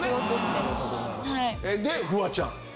フワちゃん。